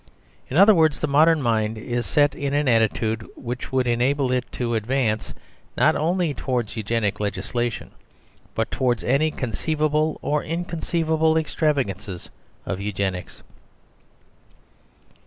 In other words, the modern mind is set in an attitude which would enable it to advance, not only towards Eugenic legislation, but towards any conceivable or inconceivable extravagances of Eugenics.